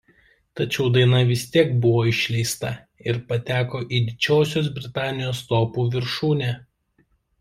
Tačiau daina vis tiek buvo išleista ir pateko į Didžiosios Britanijos topų viršūnę.